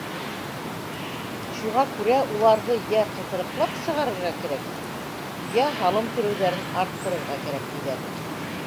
Шуға күрә, уларҙы йә ҡыҫырыҡлап сығарырға кәрәк, йә һалым түләүҙәрен арттырырға кәрәк, тиҙәр.